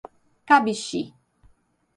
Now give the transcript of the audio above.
Cabixi